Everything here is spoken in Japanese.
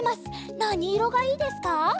なにいろがいいですか？